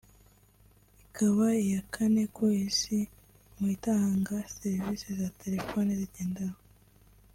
ikaba iya kane ku isi mu zitanga serivisi za telefoni zigendanwa